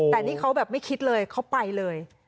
แต่นี่เขาแบบไม่คิดเลยเขาไปเลย